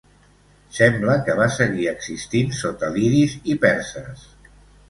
Sembla que va seguir existint sota lidis i perses.